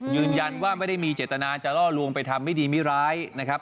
ยืนยันว่าไม่ได้มีเจตนาจะล่อลวงไปทำไม่ดีไม่ร้ายนะครับ